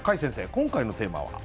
今回のテーマは？